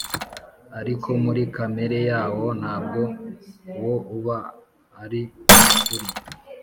ariko muri kamere yawo ntabwo wo uba ari ukuri